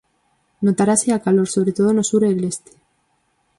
Notarase a calor sobre todo no sur e leste.